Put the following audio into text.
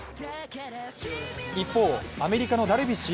一方、アメリカのダルビッシュ有。